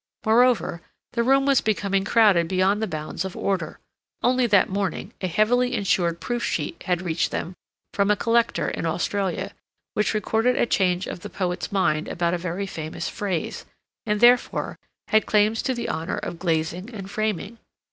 Moreover, the room was becoming crowded beyond the bounds of order. Only that morning a heavily insured proof sheet had reached them from a collector in Australia, which recorded a change of the poet's mind about a very famous phrase, and, therefore, had claims to the honor of glazing and framing.